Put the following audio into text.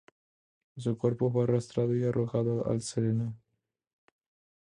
Su cuerpo fue arrastrado y arrojado al Sena.